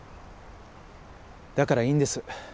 だからいいんです。